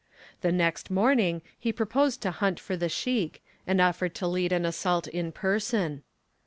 The next morning he proposed to hunt for the sheik, and offered to lead an assault in person.